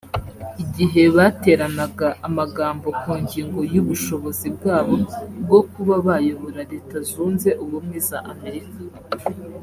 igihe bateranaga amagambo ku ngingo y'ubushobozi bwabo bwo kuba bayobora Leta Zunze Ubumwe za Amerika